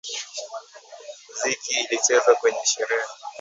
Mziki ilichezwa kwenye sherehe.